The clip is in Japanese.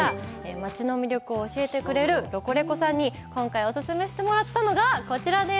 町の魅力を教えてくれるロコレコさんに今回、オススメしてもらったのがこちらです。